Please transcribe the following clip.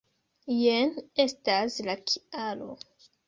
Jen estas la kialo.